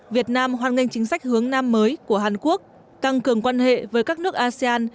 việt nam hoan nghênh chính sách hướng nam mới của hàn quốc tăng cường quan hệ với các nước asean